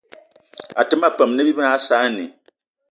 Até ma peum ne bí mag saanì